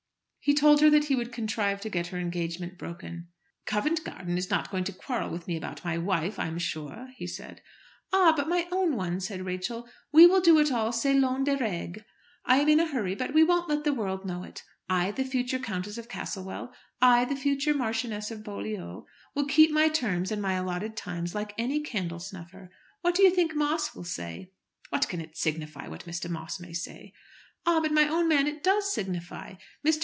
He told her that he would contrive to get her engagement broken. "Covent Garden is not going to quarrel with me about my wife, I'm sure," he said. "Ah! but my own one," said Rachel, "we will do it all selon les règles. I am in a hurry, but we won't let the world know it. I, the future Countess of Castlewell; I, the future Marchioness of Beaulieu, will keep my terms and my allotted times like any candle snuffer. What do you think Moss will say?" "What can it signify what Mr. Moss may say?" "Ah! but my own man, it does signify. Mr.